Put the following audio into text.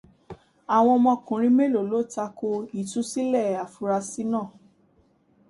Àwọn ọmọkùnrin mélòó ló tako ìtúsílẹ̀ afurasí náà?